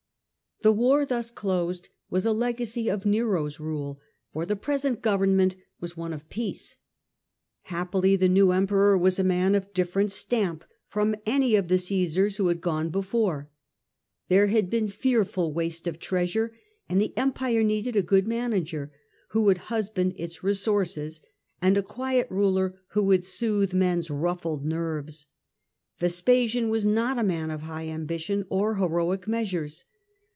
The war thus closed was a legacy of Nero's rule, for the present government was one of peace. Happily the new Emperor was a man of different stamp from any of the Caesars who had gone before. There had Tj^eecono been fearful waste of treasure, and the Empire needed a good manager who would tastes of husband its resources, and a quiet ruler who ^espasun. would soothe men's ruffled nerv^es. Vespasian was not a man of high ambition or heroic measures.